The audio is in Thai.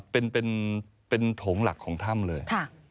เป็นโถงหลักของถ้ำเลย